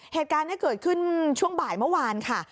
เหตุการณ์นี้เกิดขึ้นช่วงบ่ายเมื่อวานค่ะ